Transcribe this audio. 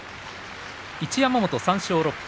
一山本、３勝６敗